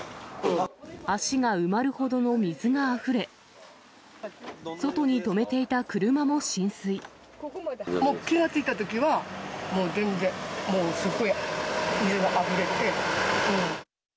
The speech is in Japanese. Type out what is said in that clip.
足が埋まるほどの水があふれ、もう気が付いたときは、もう全然、もうすごい水があふれて。